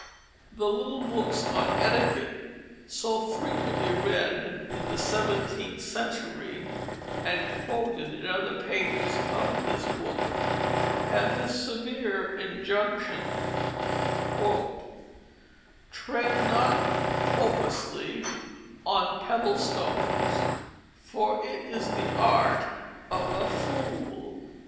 The little books on etiquette so frequently read in the seventeenth century, and quoted in other pages of this book, have this severe injunction, "Tread not pomposely on pebblestones for it is the art of a fool."